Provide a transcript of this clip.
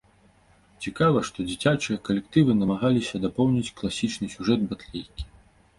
Цікава, што дзіцячыя калектывы намагаліся дапоўніць класічны сюжэт батлейкі.